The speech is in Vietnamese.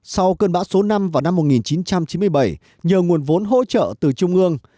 sau cơn bão số năm vào năm một nghìn chín trăm chín mươi bảy nhờ nguồn vốn hỗ trợ từ trung ương